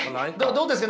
どうですか。